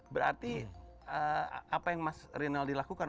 berarti apa yang mas rinaldi lakukan